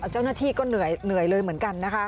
เจ้าหน้าที่ก็เหนื่อยเลยเหมือนกันนะคะ